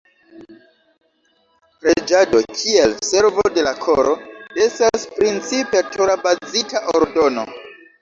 Preĝado —kiel "servo de la koro"— estas principe Tora-bazita ordono.